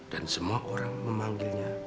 dan semua orang memanggilnya